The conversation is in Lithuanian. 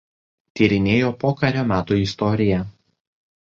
Tyrinėjo pokario metų istoriją.